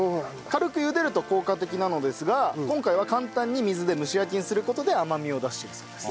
軽く茹でると効果的なのですが今回は簡単に水で蒸し焼きにする事で甘みを出しているそうです。